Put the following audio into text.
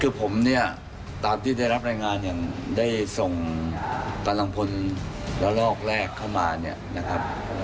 คือผมเนี่ยตามที่ได้รับรายงานอย่างได้ส่งกำลังพลระลอกแรกเข้ามาเนี่ยนะครับ